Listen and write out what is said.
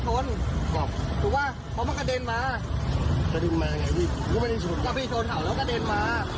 ถามฝูกกล้องแบบนี้มีไหม